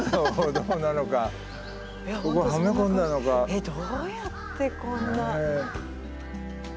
えっどうやってこんな。